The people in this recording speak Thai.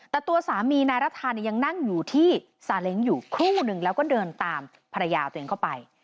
แต่ตัวสามีนายรัฐาเนี่ยยังนั่งอยู่ที่ซาเล้งอยู่ครู่นึงแล้วก็เดินตามภรรยาตัวเองเข้าไป